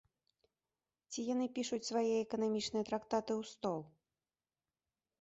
Ці яны пішуць свае эканамічныя трактаты ў стол?